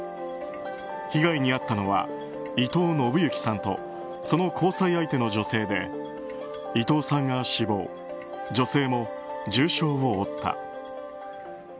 被害に遭ったのは伊藤信幸さんとその交際相手の女性で伊藤さんが死亡女性も重傷を負った。